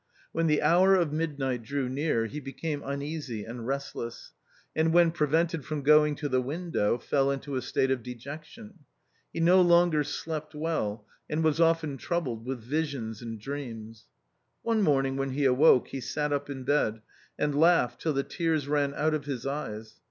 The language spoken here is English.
When the hour of midnight drew near, he became uneasy and restless ; and when prevented from going to the win dow fell into a state of dejection. He no longer slept well, and was often troubled with visions and dreams. One morning when he awoke, he sat up in bed, and laughed till the tears ran out of his eyes.